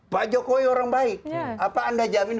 pak jokowi orang baik apa anda jamin